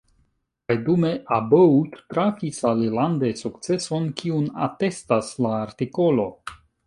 Kaj dume About trafis alilande sukceson, kiun atestas la artikolo.